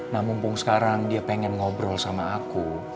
nah mumpung sekarang dia pengen ngobrol sama aku